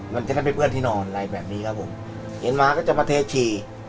จะได้ไม่เปื้อนที่นอนอะไรแบบนี้ครับผมเห็นมาก็จะมาเทขี่